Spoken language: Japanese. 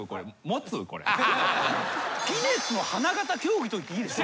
ギネスの花形競技と言っていいでしょう。